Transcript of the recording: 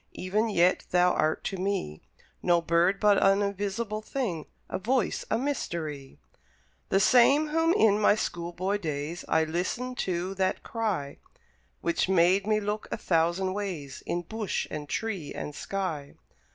Even yet thou art to me No bird, but an invisible thing, A voice, a mystery; The same whom in my school boy days I listened to; that Cry Which made me look a thousand ways In bush, and tree, and sky.